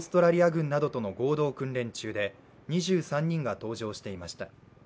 軍などとの合同訓練中で２３人が搭乗していました。